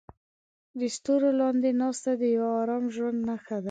د ستورو لاندې ناسته د یو ارام ژوند نښه ده.